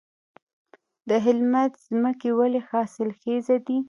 د هلمند ځمکې ولې حاصلخیزه دي؟